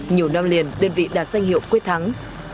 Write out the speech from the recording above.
nhiều năm liền đơn vị đã xanh hiệu quyết thắng